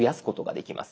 できます。